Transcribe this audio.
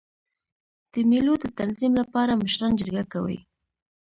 د مېلو د تنظیم له پاره مشران جرګه کوي.